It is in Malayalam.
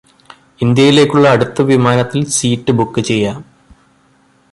ഇന്ത്യയിലേക്കുള്ള അടുത്ത വിമാനത്തിൽ സീറ്റ് ബുക്ക് ചെയ്യാം